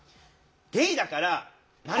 「ゲイだから○○」。